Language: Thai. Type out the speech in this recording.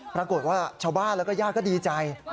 ปรากฏว่าชาวบ้านแล้วก็ญาติก็ดีใจ